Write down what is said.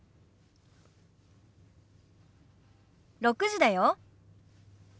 ６時だよ。